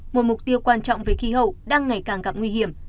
một mục tiêu quan trọng về khí hậu đang ngày càng gặp nguy hiểm